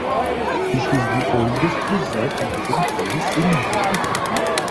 It is the oldest preserved wooden palace in Europe.